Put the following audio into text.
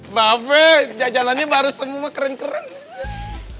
mbak be jalan jalannya baru semua keren keren